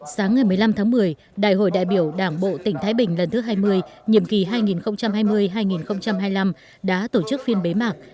sáng ngày một mươi năm tháng một mươi đại hội đại biểu đảng bộ tỉnh thái bình lần thứ hai mươi nhiệm kỳ hai nghìn hai mươi hai nghìn hai mươi năm đã tổ chức phiên bế mạc